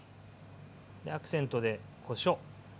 アクセントでこしょう。